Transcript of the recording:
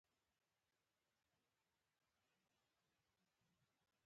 وږي او نهيلي دي.